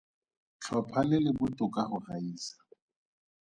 Tlhopha le le botoka go gaisa.